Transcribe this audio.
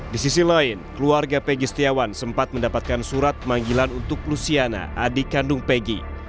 di sisi lain keluarga pegi setiawan sempat mendapatkan surat panggilan untuk luciana adik kandung pegi